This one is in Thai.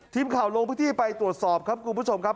ทีมข่าวโรงพิธีไปตรวจสอบครับกลุ่มผู้ชมครับ